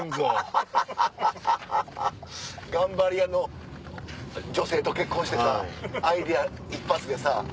ハハハハ頑張り屋の女性と結婚してさアイデア一発でさ。